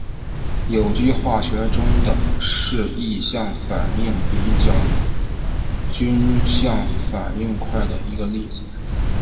有机化学中的是异相反应比均相反应快的一个例子。